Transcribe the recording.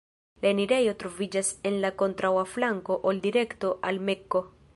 La enirejo troviĝas en la kontraŭa flanko ol direkto al Mekko.